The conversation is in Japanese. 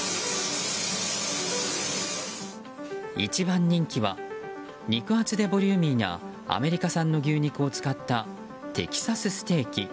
一番人気は肉厚でボリューミーなアメリカ産の牛肉を使ったテキサスステーキ。